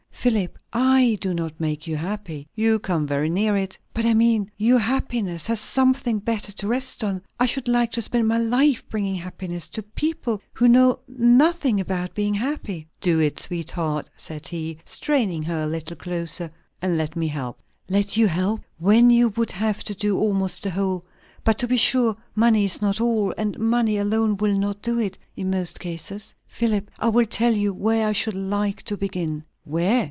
"Philip, I do not make you happy." "You come very near it." "But I mean Your happiness has something better to rest on. I should like to spend my life bringing happiness to the people who know nothing about being happy." "Do it, sweetheart!" said he, straining her a little closer. "And let me help." "Let you help! when you would have to do almost the whole. But, to be sure, money is not all; and money alone will not do it, in most cases. Philip, I will tell you where I should like to begin." "Where?